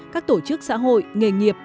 các tổ chức xã hội nghề nghiệp